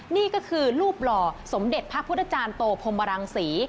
นี่ก็คือรูปหล่อสมเด็จพระพุทธจารย์โตพรมรังศรี